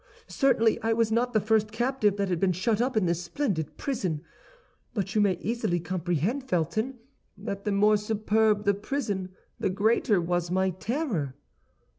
"Certainly I was not the first captive that had been shut up in this splendid prison; but you may easily comprehend, Felton, that the more superb the prison, the greater was my terror.